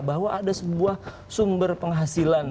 bahwa ada sebuah sumber penghasilan